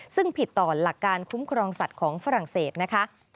ซึ่งผิดต่อหลักการคุ้มครองสัตว์ของฝรั่งเศสนะคะ